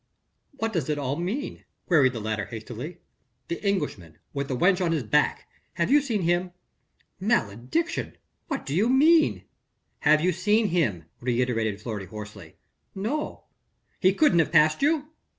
"What does it all mean?" queried the latter hastily. "The Englishman with the wench on his back? have you seen him?" "Malediction! what do you mean?" "Have you seen him?" reiterated Fleury hoarsely. "No." "He couldn't have passed you?"